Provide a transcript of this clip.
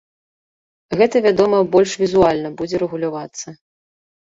Гэта, вядома, больш візуальна будзе рэгулявацца.